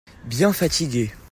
Bien fatigué.